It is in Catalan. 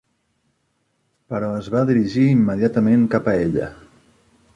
Però es va dirigir immediatament cap a ella.